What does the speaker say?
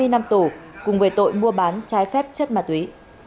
hai mươi năm tù cùng về tội mua bán trái phép chất ma túy